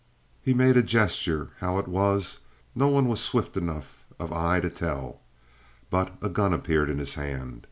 He made a gesture; how it was, no one was swift enough of eye to tell, but a gun appeared in his hand.